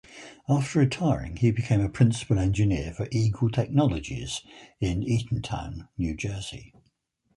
After retiring he became a principal engineer for Eagle Technologies, in Eatontown, New Jersey.